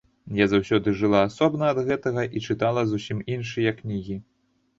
Я заўсёды жыла асобна ад гэтага і чытала зусім іншыя кнігі.